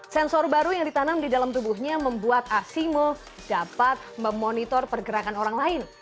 sensor baru yang ditanam di dalam tubuhnya membuat asimo dapat memonitor pergerakan orang lain